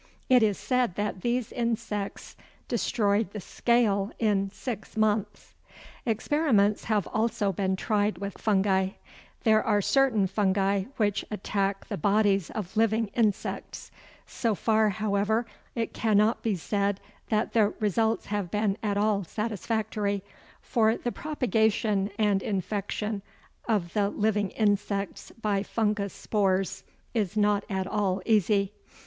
It is said that these insects destroyed the "scale" in six months! Experiments have also been tried with fungi. There are certain fungi which attack the bodies of living insects. So far, however, it cannot be said that the results have been at all satisfactory, for the propagation and infection of the living insects by fungus spores is not at all easy.